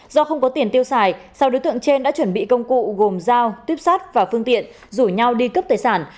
do không có tiền tiêu xài sau đối tượng trên đã chuẩn bị công cụ gồm dao tuyếp sát và phương tiện rủ nhau đi cướp tài sản